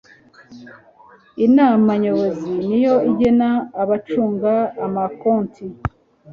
inama nyobozi niyo igena abacunga amakonti